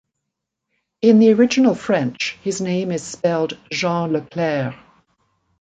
In the original French, his name is spelled Jean Leclerc.